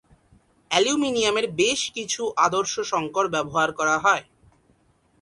অ্যালুমিনিয়ামের বেশ কিছু আদর্শ সংকর ব্যবহার করা হয়।